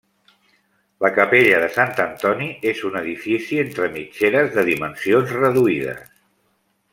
La capella de Sant Antoni és un edifici entre mitgeres de dimensions reduïdes.